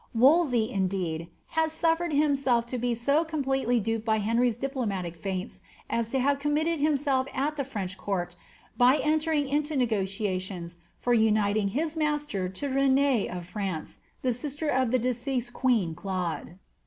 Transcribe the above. Wolsey, indeed, had su^ fered himself to be so completely duped by Henry's diplomatic feints ai to have committed himself at the French court by entering into nego tiations for uniting his master to Renee of France, the sister of the de* ceased queen Claude.